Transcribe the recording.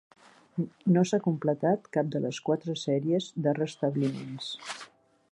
No s'ha completat cap de les quatre sèries de restabliments.